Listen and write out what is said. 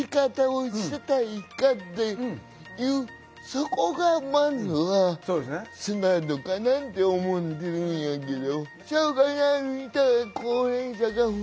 そこがまずはスタートかなって思ってるんやけど。